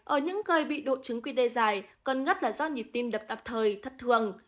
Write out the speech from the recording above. ở những người bị độ trứng quy tê dài cơn ngất là do nhịp tim đập tạp thời thất thường